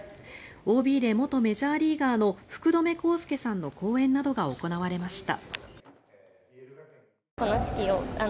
ＯＢで元メジャーリーガーの福留孝介さんの講演などが行われました。